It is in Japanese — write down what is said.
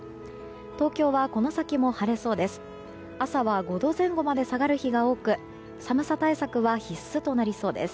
東京はこの先も晴れそうです。